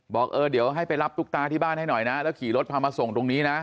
บอกเออเดี๋ยวให้ไปรับตุ๊กตาที่บ้านให้หน่อยนะแล้วขี่รถพามาส่งตรงนี้นะ